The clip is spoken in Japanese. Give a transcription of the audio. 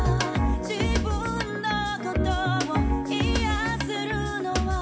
「自分のことを癒せるのは」